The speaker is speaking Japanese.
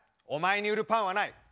お前に売るパンはない。